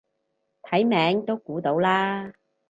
睇名都估到啦